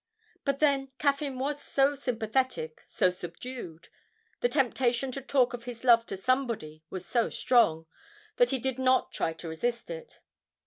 But then Caffyn was so sympathetic, so subdued; the temptation to talk of his love to somebody was so strong, that he did not try to resist it.